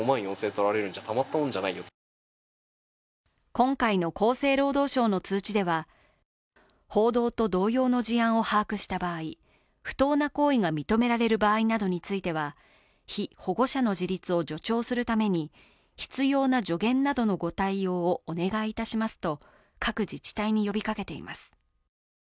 今回の厚生労働省の通知では報道と同様の事案を把握した場合、不当な行為が認められる場合などについては、被保護者の自立を必要な助言などのご対応をお願いしますなどと各自治体に呼びかけています。